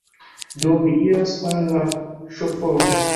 Do, mi iras al la ŝoforo.